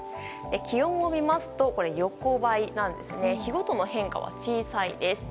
気温を見ますと横ばいで日ごとの変化は小さいですね。